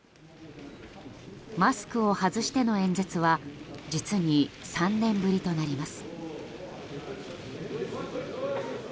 マスクを外しての演説は実に３年ぶりとなります。